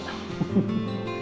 masuk ke angin